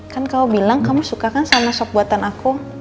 kan kamu bilang kamu suka kan sama sop buatan aku